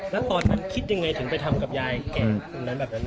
แล้วตอนนั้นคิดยังไงถึงไปทำกับยายแก่